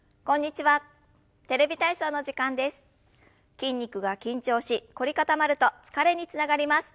筋肉が緊張し凝り固まると疲れにつながります。